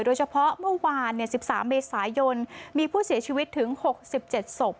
เมื่อวาน๑๓เมษายนมีผู้เสียชีวิตถึง๖๗ศพ